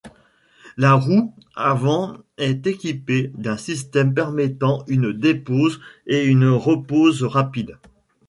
La roue avant est équipée d'un système permettant une dépose et une repose rapide.